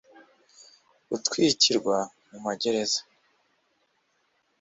gutwikirwa mu magereza